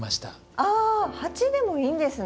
あっ鉢でもいいんですね。